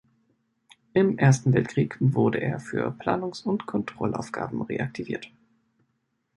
Im Ersten Weltkrieg wurde er für Planungs- und Kontrollaufgaben reaktiviert.